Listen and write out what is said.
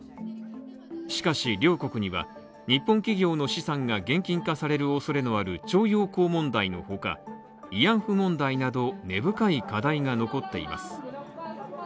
しかし両国には、日本企業の資産が現金化されるおそれのある徴用工問題のほか、慰安婦問題など根深い課題が残っています。